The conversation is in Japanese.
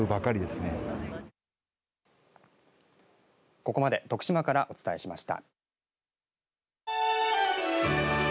ここまで徳島からお伝えしました。